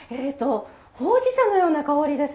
ほうじ茶のような香りです。